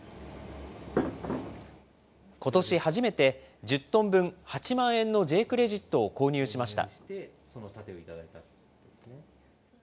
ことし初めて、１０トン分、８万円のＪークレジットを購入しました。